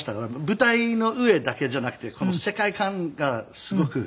舞台の上だけじゃなくて世界観がすごく。